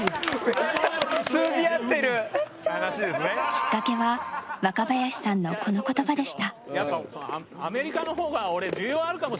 きっかけは若林さんのこの言葉でした。